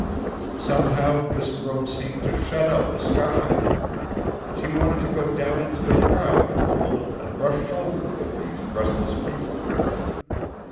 Somehow this room seemed to shut out the sky. She wanted to go down into the crowd for a little and brush shoulders with these restless people.